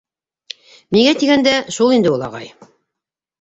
Миңә тигәндә шул инде ул, ағай.